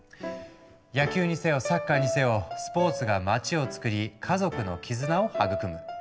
野球にせよサッカーにせよスポーツが街をつくり家族の絆を育む。